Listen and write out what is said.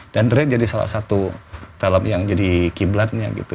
dan rate jadi salah satu film yang jadi key blood nya gitu